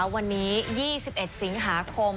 วันนี้๒๑สิงหาคม